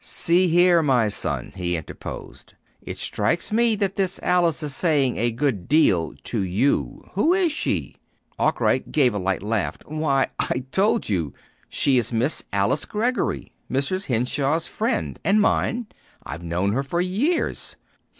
"See here, my son," he interposed, "it strikes me that this Alice is saying a good deal to you! Who is she?" Arkwright gave a light laugh. "Why, I told you. She is Miss Alice Greggory, Mrs. Henshaw's friend and mine. I have known her for years."